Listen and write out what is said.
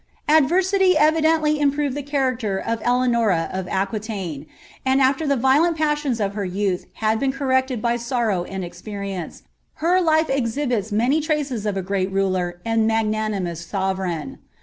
Adversity evidently improved the character of Eleanora of Aquitnnc; and after the violent passions of her youth had been conecied by Mr row and experience, her life exhibits many traces of a great ruler uJ magiiunimous sovereign.